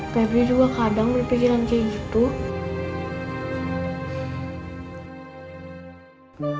febri juga kadang berpikiran kayak gitu